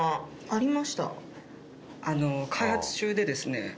開発中でですね